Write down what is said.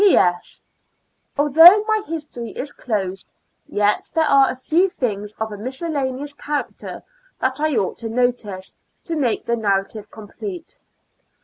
P. S. Although my history is closed, yet there are a few things of a miscellaneous character, that I ought to notice, to make the narrative complete.